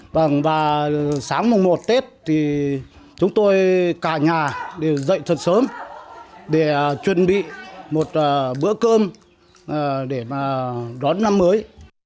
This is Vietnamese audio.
và sáng mùng một tết chúng tôi cả nhà đều dậy thật sớm để chuẩn bị một bữa cơm để đón năm mới